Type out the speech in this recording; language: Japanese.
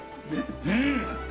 うん！